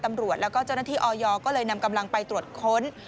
ตำรวจแล้วก็เจ้าหน้าที่ออยก็เลยนำกำลังไปตรวจค้น